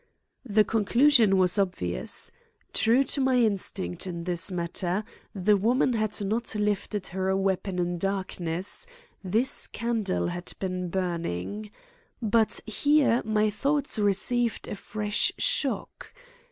The conclusion was obvious. True to my instinct in this matter the woman had not lifted her weapon in darkness; this candle had been burning. But here my thoughts received a fresh shock.